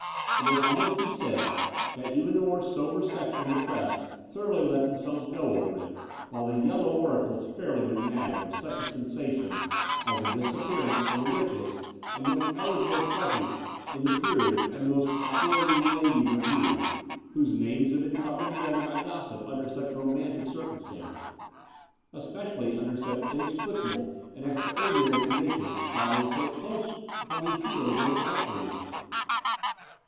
It may almost be said that even the more sober section of the press thoroughly let themselves go over it, while the '' yellow " oracles fairly went mad over such a sensation as the disappearance of the richest and most eligible parti in the peerage and the most popular leading lady in revue, whose names had been coupled together by gossip under such romantic circumstances — especially under such inexplicable and extraordinary conditions following so dose upon the heels of the Bolsover mystery.